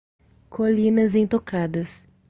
Colinas intocadas